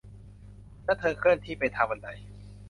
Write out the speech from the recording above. และเธอเคลื่อนที่ไปทางบันได